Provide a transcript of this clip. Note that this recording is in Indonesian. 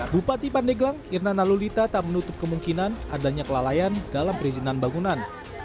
bupati pandeglang irna nalulita tak menutup kemungkinan adanya kelalaian dalam perizinan bangunan